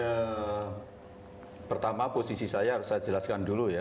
ya pertama posisi saya harus saya jelaskan dulu ya